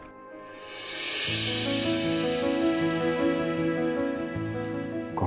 agar sienna bisa dekat dengan keluarganya